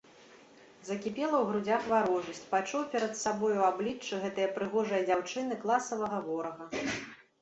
Закіпела ў грудзях варожасць, пачуў перад сабой у абліччы гэтае прыгожае дзяўчыны класавага ворага.